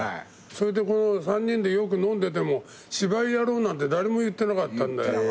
それでこの３人でよく飲んでても芝居やろうなんて誰も言ってなかったんだよ。